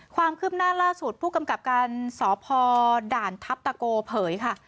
ความคืบหน้าล่าสุดผู้กำกับการสพด่านทัพตะโกเผยค่ะ